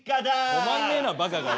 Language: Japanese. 止まんねえなばかがよ。